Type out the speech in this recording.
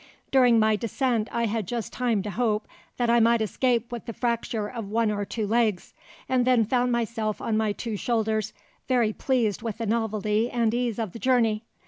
During my descent I had just time to hope that I might escape with the fracture of one or two legs, and then found myself on my two shoulders, very pleased with the novelty and ease of the journey.